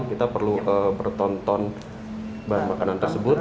kita perlu bertonton bahan makanan tersebut